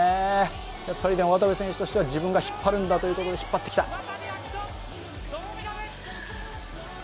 渡部選手としては、自分が引っ張るんだということで引っ張ってきた。